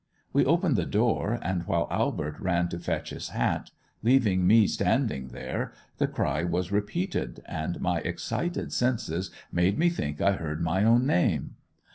We opened the door, and while Albert ran to fetch his hat, leaving me standing there, the cry was repeated, and my excited senses made me think I heard my own name.